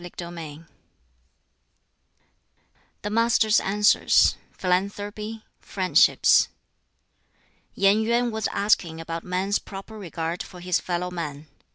] BOOK XII The Master's Answers Philanthropy Friendships Yen Yuen was asking about man's proper regard for his fellow man.